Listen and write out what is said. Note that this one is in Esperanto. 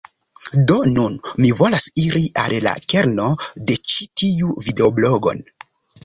Do nun, mi volas iri al la kerno de ĉi tiu videoblogon.